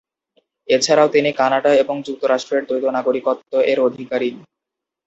এছাড়াও তিনি কানাডা এবং যুক্তরাষ্ট্রের দ্বৈত নাগরিকত্ব-এর অধিকারী।